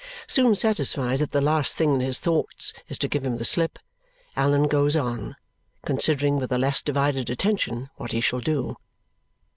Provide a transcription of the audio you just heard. Soon satisfied that the last thing in his thoughts is to give him the slip, Allan goes on, considering with a less divided attention what he shall do.